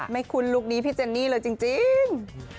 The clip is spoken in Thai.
คุ้นลุคนี้พี่เจนนี่เลยจริง